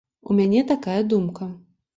У мяне такая думка.